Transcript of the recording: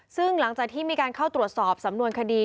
ซึ่งหลังจากที่มีการเข้าตรวจสอบสำนวนคดี